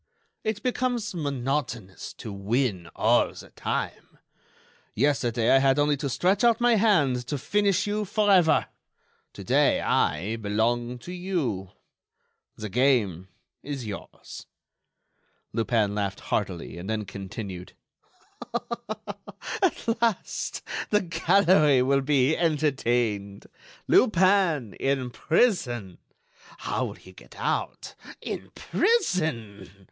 It becomes monotonous to win all the time. Yesterday I had only to stretch out my hand to finish you forever. Today I belong to you. The game is yours." Lupin laughed heartily and then continued: "At last the gallery will be entertained! Lupin in prison! How will he get out? In prison!...